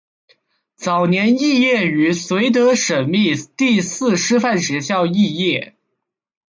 早年肄业于绥德省立第四师范学校肄业。